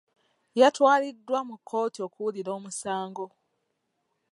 Yatwaliddwa mu kkooti okuwulira omusango.